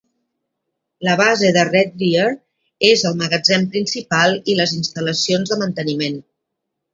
La base de Red Deer és el magatzem principal i les instal·lacions de manteniment.